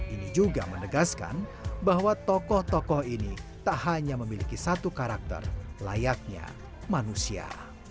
ini juga menegaskan bahwa tokoh tokoh ini tak hanya memiliki satu karakter layaknya manusia